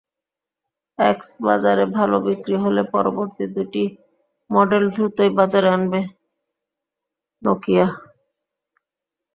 X বাজারে ভালো বিক্রি হলে পরবর্তী দুটি মডেল দ্রুতই বাজারে আনবে নকিয়া।